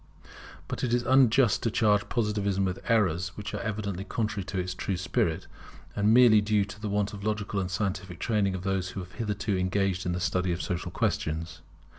But it is unjust to charge Positivism with errors which are evidently contrary to its true spirit, and merely due to the want of logical and scientific training in those who have hitherto engaged in the study of social questions.